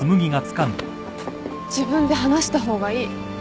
自分で話した方がいい。